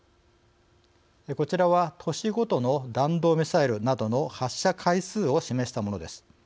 こちらは年ごとの弾道ミサイルなどの発射回数を示したものです。